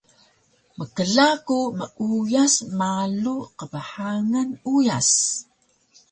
Mkla ku meuyas malu qbhangan uyas